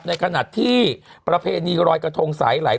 ในขณะที่ประเพณีรอยกระทงสายไหล